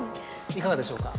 いかがでしょうか？